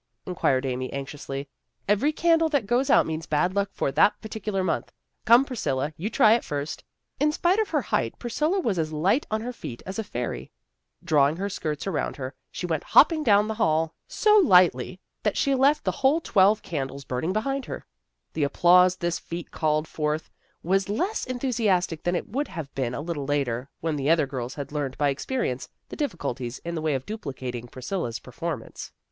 " inquired Amy anxiously. " Every candle that goes out means bad luck for that particular month. Come, Priscilla. You try it first." In spite of her height, Priscilla was as light on her feet as a fairy. Drawing her skirts around her, she went hopping down the hall 78 THE GIRLS OF FRIENDLY TERRACE so lightly that she left the whole twelve candles burning behind her. The applause this feat called forth was less enthusiastic than it would have been a little later, when the other girls had learned by experience the difficulties in the way of duplicating Priscilla's performance.